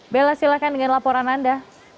bella silahkan dengan laporan anda